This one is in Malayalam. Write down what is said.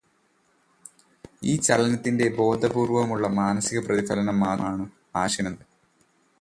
ഈ ചലനത്തിന്റെ ബോധപൂർവമുള്ള മാനസിക പ്രതിഫലനം മാത്രമാണു് ആശയം എന്നത്.